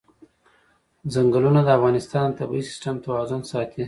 ځنګلونه د افغانستان د طبعي سیسټم توازن ساتي.